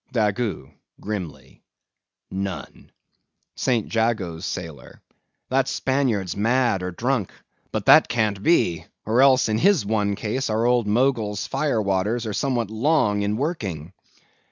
DAGGOO (grimly). None. ST. JAGO'S SAILOR. That Spaniard's mad or drunk. But that can't be, or else in his one case our old Mogul's fire waters are somewhat long in working.